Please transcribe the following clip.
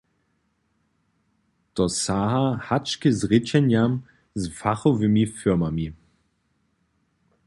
To saha hač k zrěčenjam z fachowymi firmami.